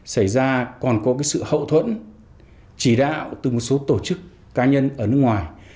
xảy ra còn có sự hậu thuẫn chỉ đạo từ một số tổ chức cá nhân ở nước ngoài